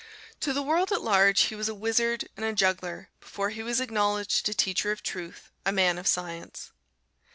To the world at large he was a "wizard" and a "juggler" before he was acknowledged a teacher of truth a man of science.